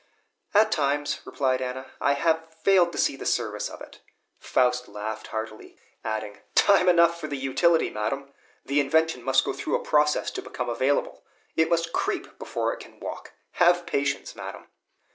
"At times," replied Anna, "I have failed to see the service of it." Faust laughed heartily, adding, "Time enough for the utility, madam. The invention must go through a process to become available; it must creep before it can walk. Have patience, madam!"